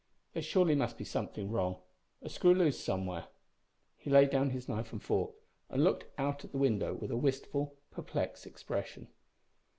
There surely must be something wrong a screw loose somewhere." He laid down his knife and fork, and looked out at the window with a wistful, perplexed expression.